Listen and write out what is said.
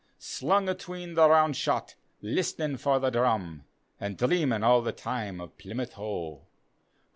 Slung atween the round shot, listenin' for the drum. An' dreamin' all the time of Plymouth Hoe.